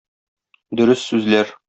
Дөрес сүзләр.